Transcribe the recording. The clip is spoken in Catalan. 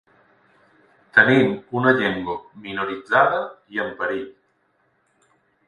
Tenim una llengua minoritzada i en perill.